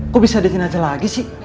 kok bisa ada jin aja lagi sih